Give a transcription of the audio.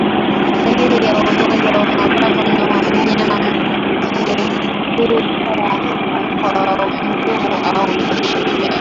Dalili ya ugonjwa wa mapafu ni mnyama kupumua kwa nguvu au kwa shida